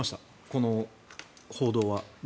この報道は。